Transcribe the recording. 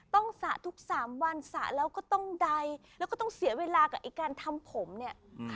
สระทุกสามวันสระแล้วก็ต้องใดแล้วก็ต้องเสียเวลากับไอ้การทำผมเนี่ย